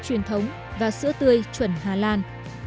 truyền thống và sữa tươi chuẩn hà lan